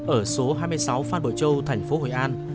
ở số hai mươi sáu phan bội châu thành phố hội an